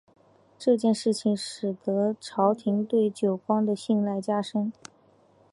这件事情使得朝廷对久光的信赖加深。